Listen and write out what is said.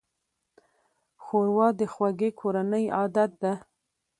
ښوروا د خوږې کورنۍ عادت ده.